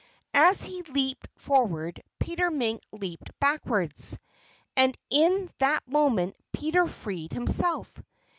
As he leaped forward Peter Mink leaped backward. And in that moment Peter freed himself.